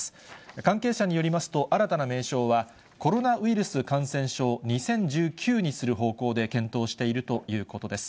関係者によりますと、新たな名称はコロナウイルス感染症２０１９にする方向で検討しているということです。